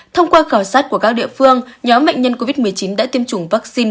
thông qua khảo sát của các địa phương nhóm bệnh nhân covid một mươi chín đã tiêm chủng vaccine